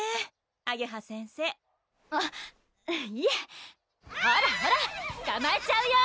あげは先生あっいえほらほらつかまえちゃうよ！